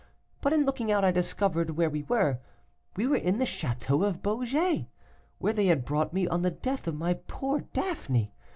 But in looking out I discovered where we were. We were in the château of Beaugé, where they had brought me on the death of my poor Daphné.